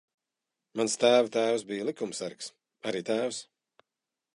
Mans tēva tēvs bija likumsargs. Arī tēvs.